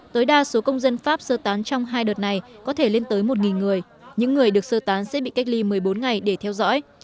tối đa số công dân pháp sơ tán trong hai đợt này có thể lên tới một người những người được sơ tán sẽ bị cách ly một mươi bốn ngày để theo dõi